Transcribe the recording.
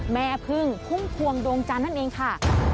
แม่พึ่งพุ่มพวงดวงจันทร์นั่นเองค่ะ